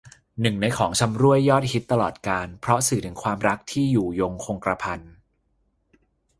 หนึ่งในของชำร่วยยอดฮิตตลอดกาล เพราะสื่อถึงความรักที่อยู่ยงคงกระพัน